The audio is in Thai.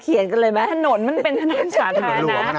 เพราะว่าจริงถนนร่วมนะ